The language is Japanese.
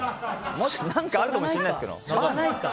何かあるかもしれないでしょ。